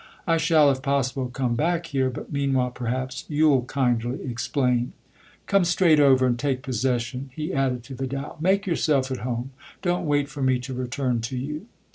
I shall if possible come back here, but meanwhile perhaps you'll kindly explain. Come straight over and take possession," he added, to Vidal ;" make yourself at home don't wait for me to return to you."